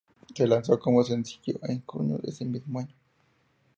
Se lanzó como sencillo en junio de ese mismo año.